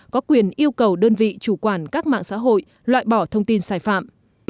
có quyền yêu cầu đơn vị chủ quản các mạng xã hội loại bỏ thông tin sai phạm